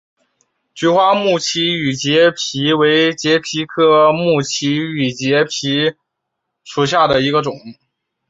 菊花木畸羽节蜱为节蜱科木畸羽节蜱属下的一个种。